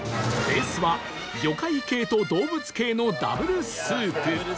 ベースは魚介系と動物系の Ｗ スープ